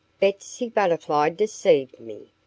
"Betsy Butterfly deceived me!"